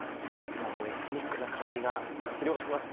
もうエスニックな香りが広がりますね。